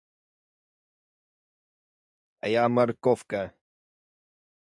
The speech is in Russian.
Мне это всё знакомо.